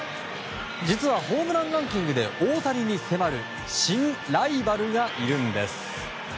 実は、ホームランランキングで大谷に迫る新ライバルがいるんです。